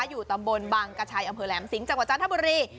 อยู่ตำบลบางกระชัยอำเภอแหลมสิงห์จังหวัดจันทบุรี